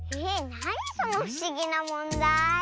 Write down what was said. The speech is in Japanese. なにそのふしぎなもんだい。